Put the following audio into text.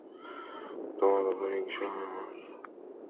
তোমার ওপর হিংসা হয় আমার।